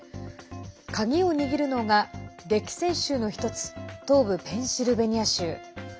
鍵を握るのが、激戦州の一つ東部ペンシルベニア州。